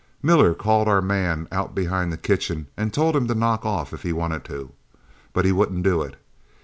Miller called our man out behind the kitchen and told him to knock off if he wanted to. But he wouldn't do it.